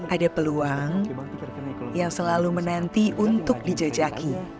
ada peluang yang selalu menanti untuk dijajaki